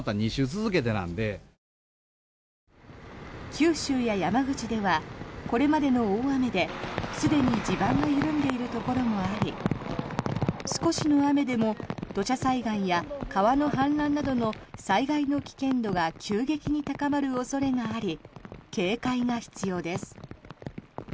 九州や山口ではこれまでの大雨ですでに地盤が緩んでいるところもあり少しの雨でも土砂災害や川の氾濫などの災害の危険度が急激に高まる恐れがあり警戒が必要です。